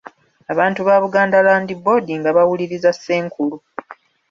Abakozi ba Buganda Land Board nga bawuliriza Ssenkulu.